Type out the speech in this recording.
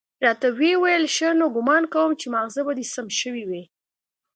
راته ويې ويل ښه نو ګومان کوم چې ماغزه به دې سم شوي وي.